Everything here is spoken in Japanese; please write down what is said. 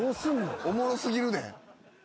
おもろ過ぎるで。